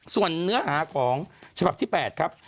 ส่วนเนื้อหาของฉบับที่๘ครับ